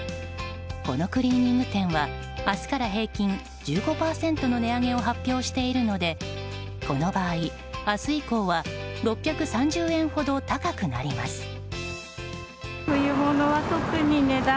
このクリーニング店は明日から平均１５％の値上げを発表しているので、この場合明日以降は６３０円ほど高くなります。